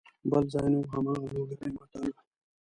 بل ځای نه وو هماغه لوګری متل وو.